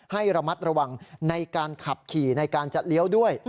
ให้ระมัดระวังในการขับขี่ในการจะเลี้ยวด้วย